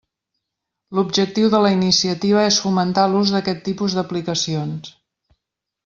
L'objectiu de la iniciativa és fomentar l'ús d'aquest tipus d'aplicacions.